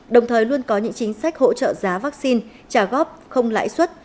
đồng thời luôn có những chính sách hỗ trợ giá vắc xin trả góp không lãi xuất